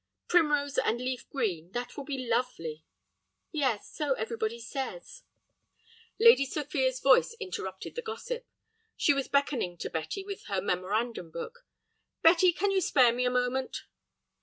"Primrose and leaf green, that will be lovely." "Yes, so everybody says." Lady Sophia's voice interrupted the gossip. She was beckoning to Betty with her memorandum book. "Betty, can you spare me a moment?"